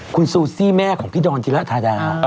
คุณซูซี่แม่ของพี่ดอนจิระธาดา